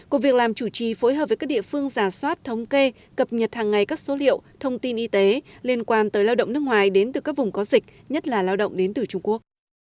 cục việc làm chủ trì phối hợp với các địa phương giả soát thống kê cập nhật hàng ngày các số liệu thông tin y tế liên quan tới lao động nước ngoài đến từ các vùng có dịch nhất là lao động đến từ trung quốc